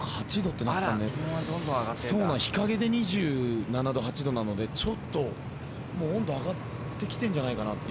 日陰で２７２８度なのでちょっと温度上がってきてんじゃないかなって。